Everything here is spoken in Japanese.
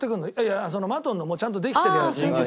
いやそのマトンのもうちゃんとできてるやつ。